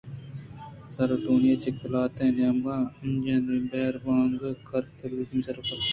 سارٹونی چہ قلات ءِ نیمگ ءَ انجنانی بہر ءُبانگ ءِ کارپد دلجمی سرجم کُت